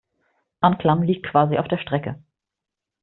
Anklam liegt quasi auf der Strecke.